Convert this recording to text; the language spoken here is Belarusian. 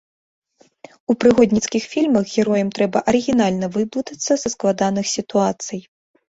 У прыгодніцкіх фільмах героям трэба арыгінальна выблытацца са складаных сітуацый.